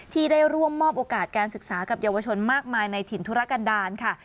ที่ได้ร่วมมอบโอกาสการศึกษากับเยาวชนมากมายในถิ่นธุรกันดาลค่ะ